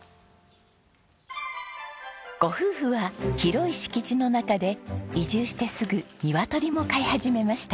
ご夫婦は広い敷地の中で移住してすぐニワトリも飼い始めました。